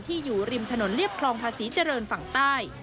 อยู่ริมถนนเรียบคลองภาษีเจริญฝั่งใต้